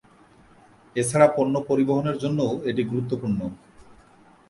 এছাড়া পণ্য পরিবহনের জন্যও এটি গুরুত্বপূর্ণ।